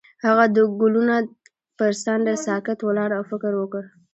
هغه د ګلونه پر څنډه ساکت ولاړ او فکر وکړ.